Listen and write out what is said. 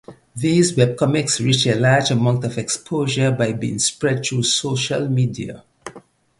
These webcomics reach a large amount of exposure by being spread through social media.